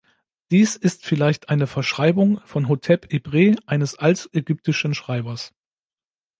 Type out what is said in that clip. Dies ist vielleicht eine Verschreibung von "Hotep-ib-Re" eines altägyptischen Schreibers.